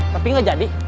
tapi gak jadi